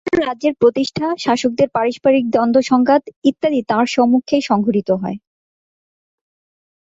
ক্ষুদ্র ক্ষুদ্র রাজ্যের প্রতিষ্ঠা, শাসকদের পারস্পরিক দ্বন্দ্ব-সংঘাত ইত্যাদি তাঁর সম্মুখেই সংঘটিত হয়।